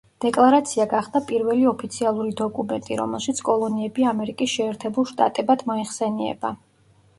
დეკლარაცია გახდა პირველი ოფიციალური დოკუმენტი, რომელშიც კოლონიები „ამერიკის შეერთებულ შტატებად“ მოიხსენიება.